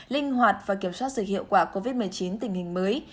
linh hoạt và kiểm soát sự hiệu quả covid một mươi chín tình hình mới